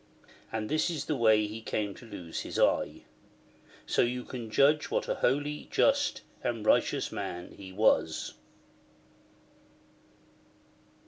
And this is the way he came to lose his eye. So you can judge what a holy, just, and righteous man he was.